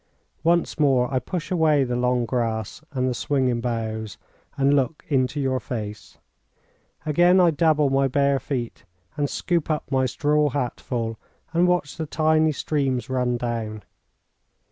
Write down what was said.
Once more I push away the long grass and the swinging boughs, and look into your face. Again I dabble my bare feet, and scoop up my straw hat full, and watch the tiny streams run down.